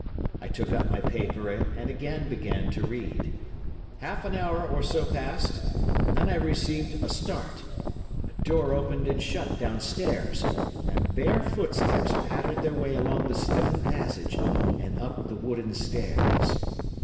I took up my paper and again began to read. Half an hour or so passed, and then I received a start. A door opened and shut downstairs, and bare footsteps pattered their way along the stone passage and up the wooden stairs.